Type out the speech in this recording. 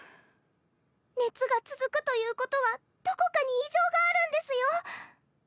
熱が続くということはどこかに異常があるんですよ。